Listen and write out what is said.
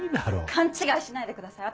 勘違いしないでください